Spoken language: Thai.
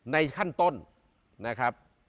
ในขั้นต้นนะครับ